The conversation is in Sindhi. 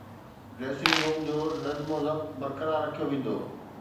ڊريسنگ روم جو نظم و ضبط برقرار رکيو ويندو